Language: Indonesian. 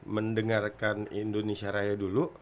mendengarkan indonesia raya dulu